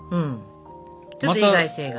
ちょっと意外性が？